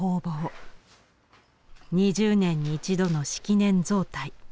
２０年に１度の式年造替。